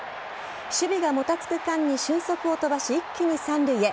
守備がもたつく間に俊足を飛ばし、一気に三塁へ。